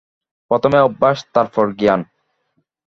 প্রথমে অভ্যাস, তারপর জ্ঞান।